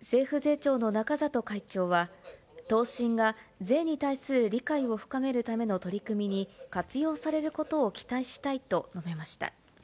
政府税調の中里会長は、答申が、税に対する理解を深めるための取り組みに活用されることを期待したいと述べました。